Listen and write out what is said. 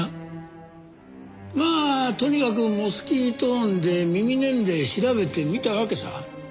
まあとにかくモスキート音で耳年齢調べてみたわけさ。